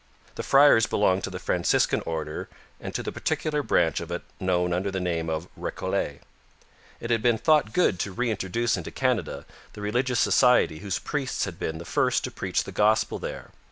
The friars belonged to the Franciscan order and to the particular branch of it known under the name of Recollets. It had been thought good to reintroduce into Canada the religious society whose priests had been the first to preach the Gospel there.